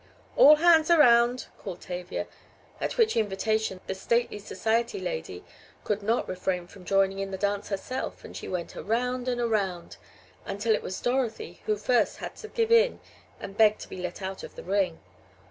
"All hands around!" called Tavia, at which invitation the stately society lady could not refrain from joining in the dance herself, and she went around and around until it was Dorothy who first had to give in and beg to be let out of the ring.